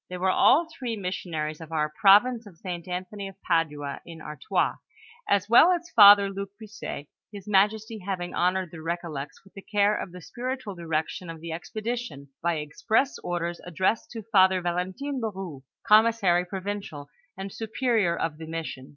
They were all three missionaries of our province of St. Anthony of Padua, in Artois, as well as Father Luke Buisset, his majesty having honored the Kecollects with the care of the spiritual direction of the expedition by express orders addressed to Father Val entine le Koux, commissary provincial, and superior of the mission.